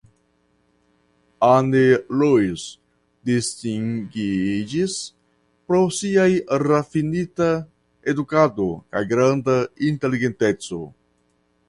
Anne Louise distingiĝis pro siaj rafinita edukado kaj granda inteligenteco.